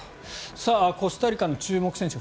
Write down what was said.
コスタリカの注目選手